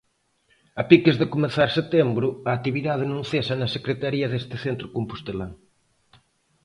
A piques de comezar setembro, a actividade non cesa na secretaría deste centro compostelán.